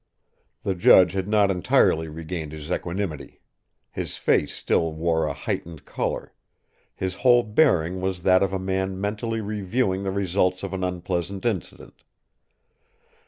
The judge had not entirely regained his equanimity; his face still wore a heightened colour; his whole bearing was that of a man mentally reviewing the results of an unpleasant incident.